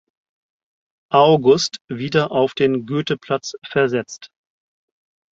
August wieder auf den Goetheplatz versetzt.